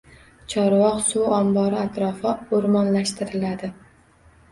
Chorvoq suv ombori atrofi o‘rmonlashtiriladi